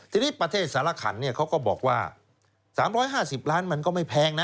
ทีนี้ประเทศสารขันเขาก็บอกว่า๓๕๐ล้านมันก็ไม่แพงนะ